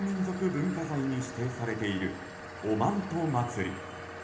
文化財に指定されているおまんと祭り。